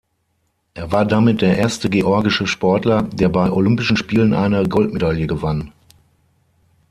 Er war damit der erste georgische Sportler, der bei Olympischen Spielen eine Goldmedaille gewann.